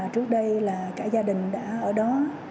trước đây là cả gia đình đã ở đó